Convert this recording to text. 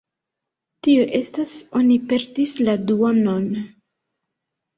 Tio estas oni perdis la duonon.